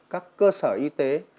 các cơ sở y tế